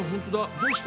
どうして？